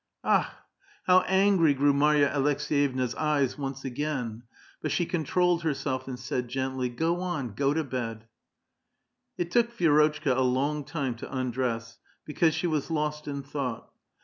Akhl how angry grew Marya Aleks^yevna's eyes once again I But she controlled herself, and said gently, " Go on, go to bed." It took Vi^rotchka a long time to undress, because she was lost in thought.